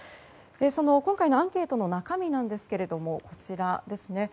今回のアンケートの中身ですがこちらですね。